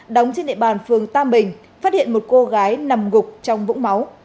đóng trên địa bàn phường tam bình phát hiện một cô gái nằm gục trong vũng máu